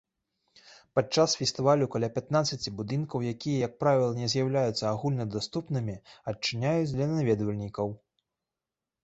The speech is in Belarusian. Падчас фестывалю каля пятнаццаці будынкаў, якія як правіла не з'яўляюцца агульнадаступнымі, адчыняюць для наведвальнікаў.